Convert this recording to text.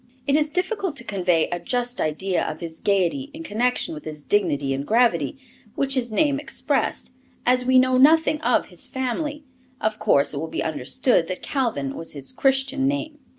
It is difficult to convey a just idea of his gaiety in connection with his dignity and gravity, which his name expressed. As we know nothing of his family, of course it will be understood that Calvin was his Christian name.